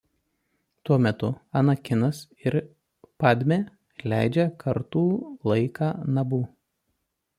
Tuo metu Anakinas ir Padmė leidžia kartų laiką Nabu.